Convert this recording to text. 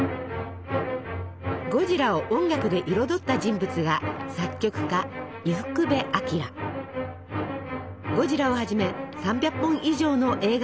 ゴジラを音楽で彩った人物がゴジラをはじめ３００本以上の映画音楽を制作。